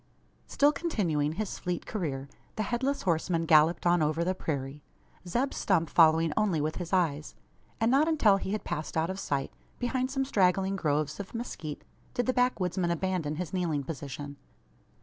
Still continuing his fleet career, the Headless Horseman galloped on over the prairie Zeb Stump following only with his eyes; and not until he had passed out of sight, behind some straggling groves of mezquite, did the backwoodsman abandon his kneeling position.